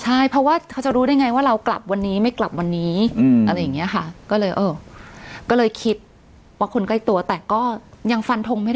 ใช่เพราะว่าเขาจะรู้ได้ไงว่าเรากลับวันนี้ไม่กลับวันนี้อืม